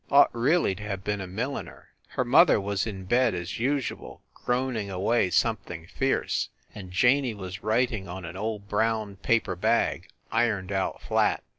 Ought really to have been a milliner. Her mother was in bed as usual, groaning away something fierce, and Janey was writing on an old brown paper bag, ironed out flat.